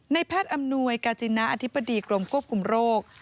แพทย์อำนวยกาจิณะอธิบดีกรมควบคุมโรค